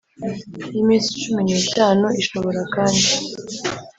y iminsi cumi n itanu Ishobora kandi